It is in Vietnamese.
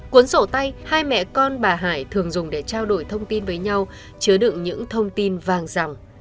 cuốn sổ tay hai mẹ con bà hải thường dùng để trao đổi thông tin với nhau chứa đựng những thông tin vàng rằng